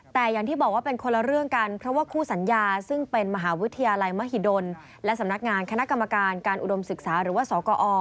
แต่อย่างที่บอกว่าเป็นคนละเรื่องกันเพราะว่าคู่สัญญาซึ่งเป็นมหาวิทยาลัยมหิดลและสำนักงานคณะกรรมการการอุดมศึกษาหรือว่าสกอ